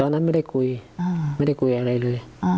นั้นไม่ได้คุยไม่ได้คุยอะไรเลย